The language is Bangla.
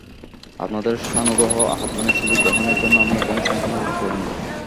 আপনাদের সানুগ্রহ আহ্বানের সুযোগ গ্রহণের জন্য আমি এখনও সম্পূর্ণ সুস্থ হইনি।